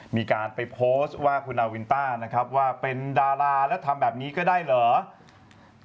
มีการไปโพสต์ว่าคุณนาวินต้านะครับว่าเป็นดาราแล้วทำแบบนี้ก็ได้เหรอ